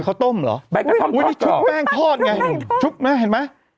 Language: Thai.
คือเขาต้มเหรออุ๊ยนี่ชุบแป้งทอดไงชุบนะเห็นไหม